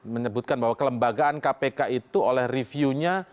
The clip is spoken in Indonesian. menyebutkan bahwa kelembagaan kpk itu oleh reviewnya